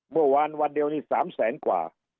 เมื่อวานวันเดียวนี่๓แสนกว่า